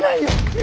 え！